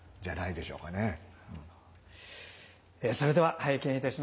それでは拝見いたします。